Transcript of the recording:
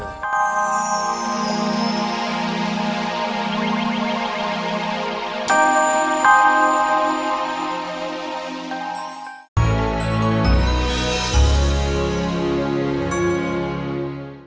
sampai jumpa lagi